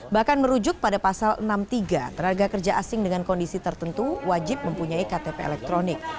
bahkan merujuk pada pasal enam puluh tiga tenaga kerja asing dengan kondisi tertentu wajib mempunyai ktp elektronik